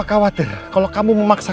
kasih saya kesempatan